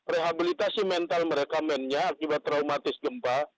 rehabilitasi mental merekomennya akibat traumatis gempa